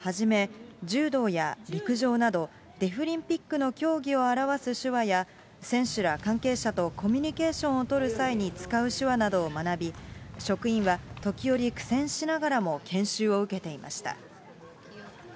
デフリンピック、研修では、あいさつや自己紹介をはじめ、柔道や陸上などデフリンピックの競技を表す手話や、選手ら関係者とコミュニケーションを取る際に使う手話などを学び、職員は時折、苦戦しながらも研修を受けていました。